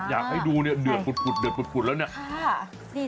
ถ้าให้ดูเนี่ยเดือดปุดแล้วเนี่ย